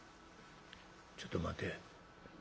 「ちょっと待て。